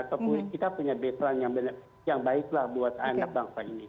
kita punya baseline yang baiklah buat anak bangsa ini